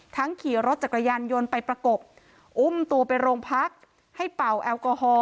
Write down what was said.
ขี่รถจักรยานยนต์ไปประกบอุ้มตัวไปโรงพักให้เป่าแอลกอฮอล